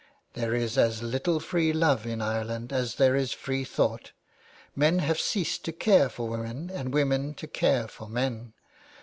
There is as little free love in Ireland as there is free thought ; men have ceased to care for women and women to care for men.